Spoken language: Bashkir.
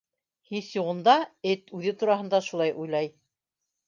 Һис юғында, эт үҙе тураһында шулай уйлай.